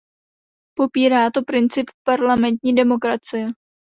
Popírá to princip parlamentní demokracie.